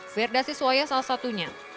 ferdasy suwoyo salah satunya